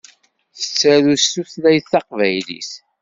Tettaru s tutlayt taqbaylit.